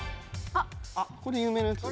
これ有名なやつ。